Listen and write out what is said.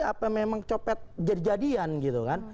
apa memang copet jadi jadian gitu kan